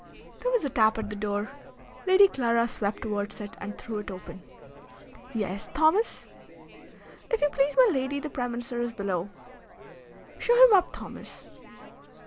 There was a tap at the door. Lady Clara swept towards it and threw it open. "Yes, Thomas?" "If you please, my lady, the Prime Minister is below." "Show him up, Thomas."